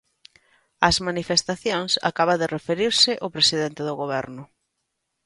Ás manifestacións acaba de referirse o presidente do Goberno.